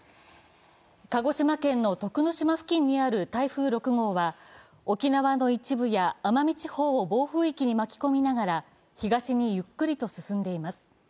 鹿児島県の徳之島付近にある台風６号は、沖縄の一部や奄美地方を暴風域に巻き込みながら東にゆっくりと進んでいます。